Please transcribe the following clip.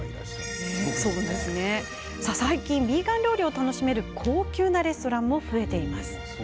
最近、ビーガン料理を楽しめる高級レストランも増えています。